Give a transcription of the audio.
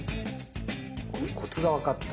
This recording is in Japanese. コツが分かった。